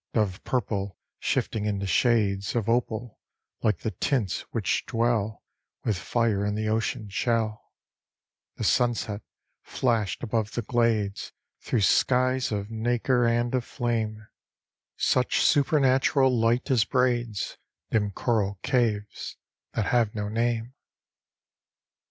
Dove purple shifting into shades Of opal, like the tints which dwell With fire in the ocean shell, The sunset flashed above the glades Through skies of nacre and of flame; Such supernatural light as braids Dim coral caves, that have no name.